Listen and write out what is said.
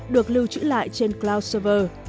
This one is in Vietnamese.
được lưu trữ lại trên cloud server